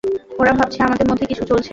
ওরা ভাবছে আমাদের মধ্যে কিছু চলছে।